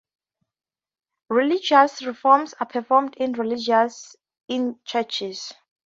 Religious Reforms are performed in religions and churches.